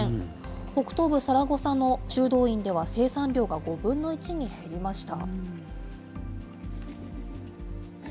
北東部サラゴサの修道院では、生産量が５分の１に減りました。